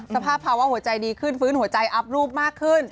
สภาพภาวะหัวใจดีขึ้นฟื้นหัวใจอัพรูปมากขึ้น